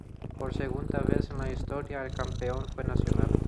Por segunda vez en la historia, el campeón fue Nacional.